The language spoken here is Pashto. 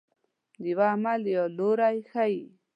د یوه عمل یا لوری ښيي.